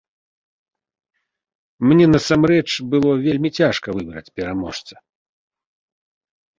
Мне насамрэч было вельмі цяжка выбраць пераможца.